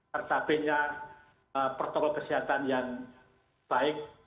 tercapainya protokol kesehatan yang baik